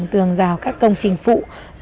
tường rào các công trình phụ